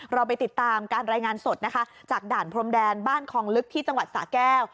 เราไปติดตามการรายงานสดนะคะจากด่านพรมแดนบ้านคองลึกที่จังหวัดสาแก้ว